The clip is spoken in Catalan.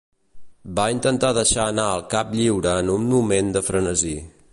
Va intentar deixar anar el cap lliure en un moment de frenesí.